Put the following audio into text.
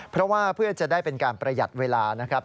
เพราะว่าเพื่อจะได้เป็นการประหยัดเวลานะครับ